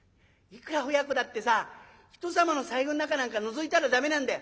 「いくら親子だってさ人様の財布ん中なんかのぞいたら駄目なんだ。